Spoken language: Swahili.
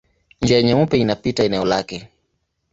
Njia Nyeupe inapita eneo lake.